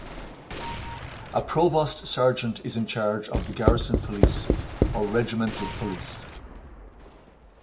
A provost sergeant is in charge of the garrison police or regimental police.